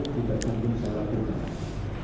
tidak mungkin sangat mudah